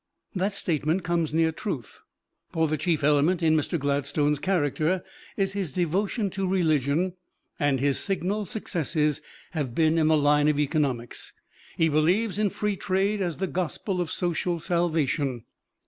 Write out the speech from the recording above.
The statement comes near truth; for the chief element in Mr. Gladstone's character is his devotion to religion; and his signal successes have been in the line of economics. He believes in Free Trade as the gospel of social salvation.